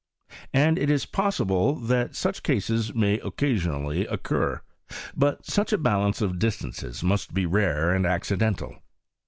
And it is possible that such cases may occasionally occur : but soch a balance of distances must be rare and accidental.